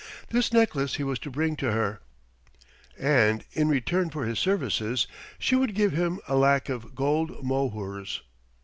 This necklace he was to bring to her, and in return for his services she would give him a lac of gold mohurs.